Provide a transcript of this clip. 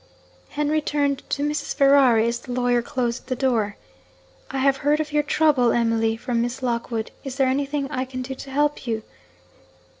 Henry turned to Mrs. Ferrari as the lawyer closed the door. 'I have heard of your trouble, Emily, from Miss Lockwood. Is there anything I can do to help you?'